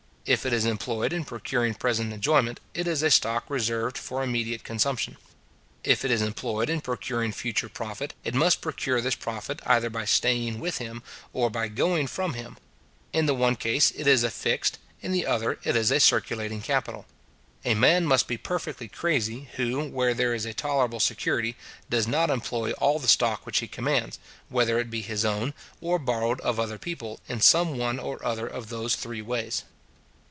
If it is employed in procuring present enjoyment, it is a stock reserved for immediate consumption. If it is employed in procuring future profit, it must procure this profit either by staying with him, or by going from him. In the one case it is a fixed, in the other it is a circulating capital. A man must be perfectly crazy, who, where there is a tolerable security, does not employ all the stock which he commands, whether it be his own, or borrowed of other people, in some one or other of those three ways.